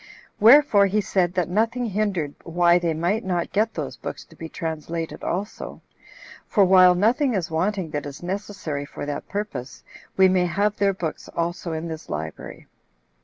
Wherefore he said that nothing hindered why they might not get those books to be translated also; for while nothing is wanting that is necessary for that purpose, we may have their books also in this library.